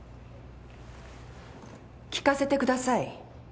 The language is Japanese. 聞かせてください。